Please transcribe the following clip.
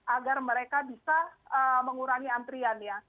agar mereka bisa mengurangi antrian ya